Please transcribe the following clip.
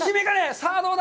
さあ、どうだ。